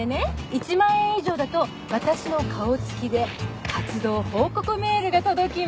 １万円以上だと私の顔付きで活動報告メールが届きますっていう。